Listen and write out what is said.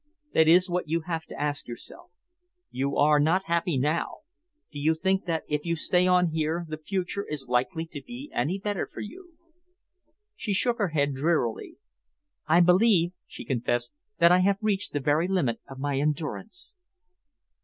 That is what you have to ask yourself. You are not happy now. Do you think that, if you stay on here, the future is likely to be any better for you?" She shook her head drearily. "I believe," she confessed, "that I have reached the very limit of my endurance."